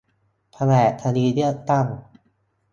แผนกคดีเลือกตั้ง